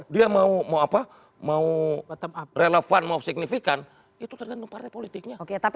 dia mau relevan mau signifikan itu tergantung partai politiknya